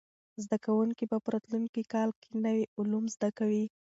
زده کوونکي به په راتلونکي کال کې نوي علوم زده کوي.